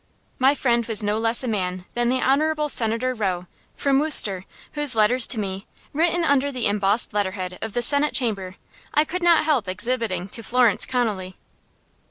My friend was no less a man than the Honorable Senator Roe, from Worcester, whose letters to me, written under the embossed letter head of the Senate Chamber, I could not help exhibiting to Florence Connolly.